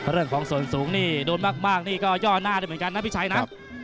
เรื่องของส่วนสูงนี่โดนมากนี่ก็ย่อหน้าได้เหมือนกันนะพี่ชัยนะ